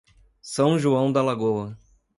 São João da Lagoa